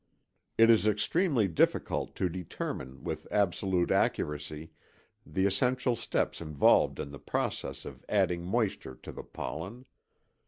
It is extremely difficult to determine with absolute accuracy the essential steps involved in the process of adding moisture to the pollen.